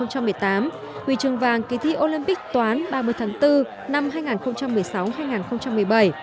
huy chương vàng kỳ thi olympic toán ba mươi tháng bốn năm hai nghìn một mươi sáu hai nghìn một mươi bảy